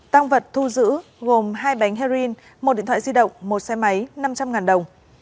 tăng vật thu giữ gồm hai bánh heroin một điện thoại di động một xe máy năm trăm linh đồng